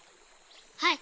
はい。